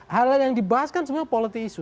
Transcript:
hal hal yang dibahas kan sebenarnya politi isu